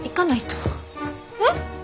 えっ？